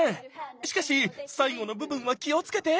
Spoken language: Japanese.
しかし最後の部分は気をつけて！